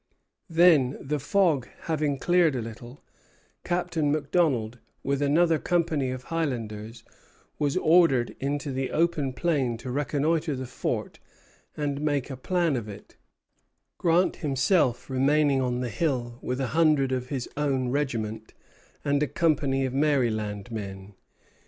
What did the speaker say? Then, the fog having cleared a little, Captain Macdonald, with another company of Highlanders, was ordered into the open plain to reconnoitre the fort and make a plan of it, Grant himself remaining on the hill with a hundred of his own regiment and a company of Maryland men.